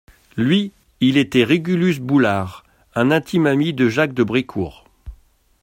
Lui, il était Régulus Boulard, un intime ami de Jacques de Brécourt.